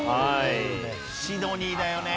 シドニーだよね。